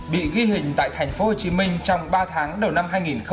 bị ghi hình tại tp hcm trong ba tháng đầu năm hai nghìn một mươi sáu